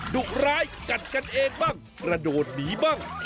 ดุร้ายจัดกันเองบ้างกระโดดหนีบ้าง